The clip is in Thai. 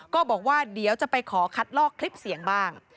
ก็บอกว่าเดี๋ยวจะไปขอคัดลอกคลิปเสียงบ้าง